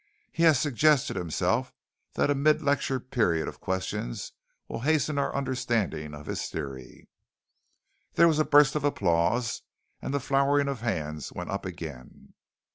He has suggested himself that a mid lecture period of questions will hasten our understanding of his theory." There was a burst of applause and the flowering of hands went up again.